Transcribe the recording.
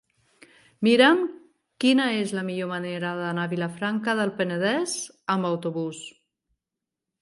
Mira'm quina és la millor manera d'anar a Vilafranca del Penedès amb autobús.